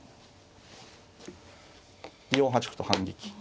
４八歩と反撃。